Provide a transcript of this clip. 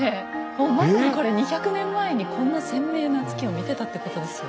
もうまさにこれ２００年前にこんな鮮明な月を見てたってことですよ。